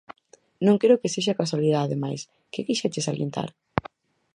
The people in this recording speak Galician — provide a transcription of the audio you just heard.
Non creo que sexa casualidade mais, que quixeches salientar?